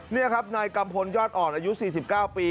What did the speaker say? นี่ครับนายกัมพลยอดอ่อนอายุ๔๙ปี